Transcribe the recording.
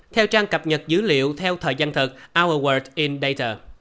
theo trang cập nhật dữ liệu theo thời gian thực all world in data